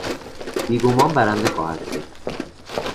بیگمان برنده خواهد شد.